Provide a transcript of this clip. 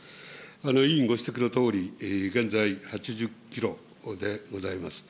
委員ご指摘のとおり、現在８０キロでございます。